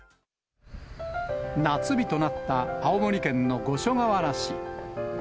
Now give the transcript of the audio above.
夏日となった青森県の五所川原市。